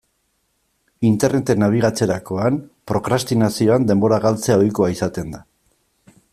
Interneten nabigatzerakoan, prokrastinazioan denbora galtzea ohikoa izaten da.